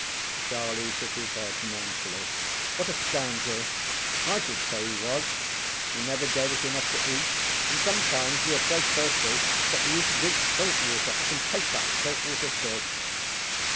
ŌĆØ Charlie shook his head mournfully. ŌĆ£What a scoundrel! ŌĆØ ŌĆ£I should say he was. He never gave us enough to eat, and sometimes we were so thirsty that we used to drink salt water. I can taste that salt water still.